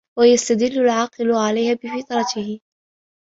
وَيَسْتَدِلُّ الْعَاقِلُ عَلَيْهَا بِفِطْرَتِهِ